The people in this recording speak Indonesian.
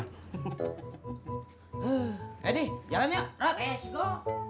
eh deh jalan yuk rotesco